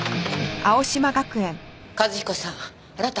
一彦さんあなた